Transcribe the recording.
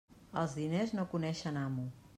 Els diners no coneixen amo.